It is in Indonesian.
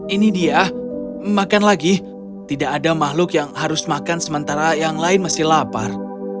ini dia makan lagi tidak ada makhluk yang harus makan sementara yang lain masih lapar